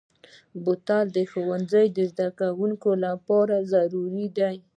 بوتل د ښوونځي زدهکوونکو لپاره ضروري دی.